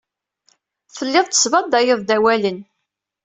Telliḍ tesbadayeḍ-d awalen.